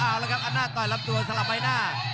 อ้าวแล้วครับอำนาจต่อยลำตัวสลับไปหน้า